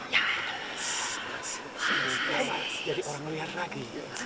jadi orang liar lagi